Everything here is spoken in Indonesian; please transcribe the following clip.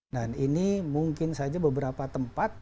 dan ini mungkin saja beberapa tempat